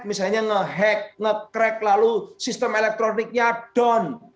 misalnya nge hack nge crack lalu sistem elektroniknya down